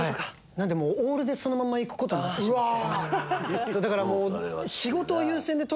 オールでそのまま行くことになってしまって。